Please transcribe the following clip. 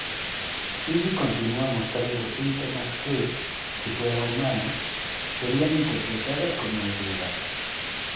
Speedy continúa mostrando síntomas que, si fuera humano, serían interpretadas como ebriedad.